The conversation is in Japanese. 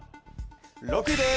６位です。